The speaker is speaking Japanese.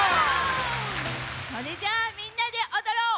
それじゃあみんなでおどろう！